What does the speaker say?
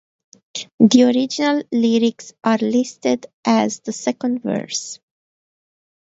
The original lyrics are listed as the second verse.